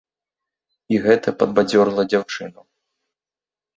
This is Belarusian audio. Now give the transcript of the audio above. І гэта падбадзёрыла дзяўчыну.